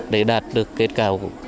để đạt được kết cầu